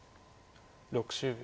６０秒。